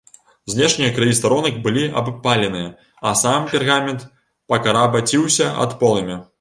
Знешнія краі старонак былі абпаленыя, а сам пергамент пакарабаціўся ад полымя.